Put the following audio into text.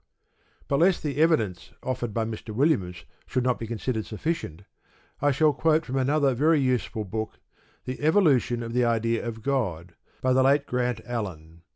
But lest the evidence offered by Mr. Williams should not be considered sufficient, I shall quote from another very useful book, The Evolution of the Idea of God, by the late Grant Allen.